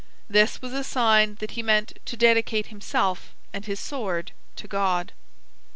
This was a sign that he meant to dedicate himself and his sword to God.